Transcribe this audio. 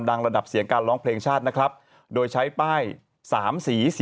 ดั่งระดับเสียงการร้องเพลงชาตินะครับโดยใช้ป้าย๓สีสีเขียวผ่านร้องรอบเดียวสีเหลืองพอใช้ร้อง๒โลกสี